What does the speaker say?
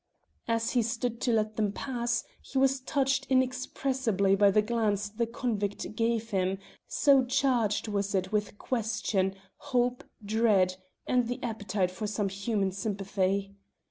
As he stood to let them pass he was touched inexpressibly by the glance the convict gave him, so charged was it with question, hope, dread, and the appetite for some human sympathy.